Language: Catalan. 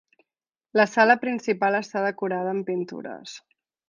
La sala principal està decorada amb pintures.